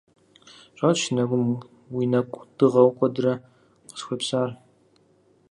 Щӏэтщ си нэгум уи нэкӏу дыгъэу куэдрэ къысхуепсар.